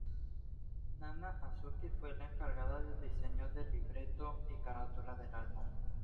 Nana Azuki fue la encargada del diseño de el libreto y carátula del álbum.